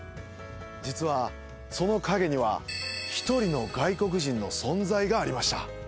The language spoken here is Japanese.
実は、その陰には１人の外国人の存在がありました。